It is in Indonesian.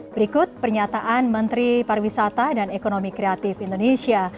berikut pernyataan menteri pariwisata dan ekonomi kreatif indonesia